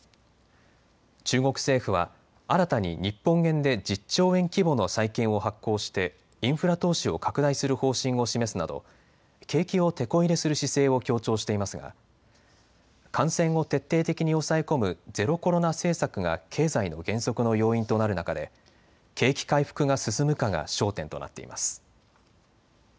中国政府は新たに日本円で１０兆円規模の債券を発行してインフラ投資を拡大する方針を示すなど景気をてこ入れする姿勢を強調していますが感染を徹底的に抑え込むゼロコロナ政策が経済の減速の要因となる中で景気回復が進むかが焦点となっています。